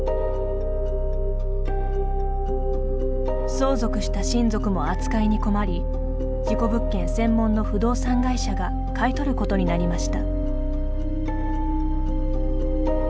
相続した親族も扱いに困り事故物件専門の不動産会社が買い取ることになりました。